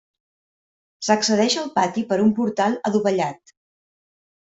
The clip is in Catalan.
S'accedeix al pati per un portal adovellat.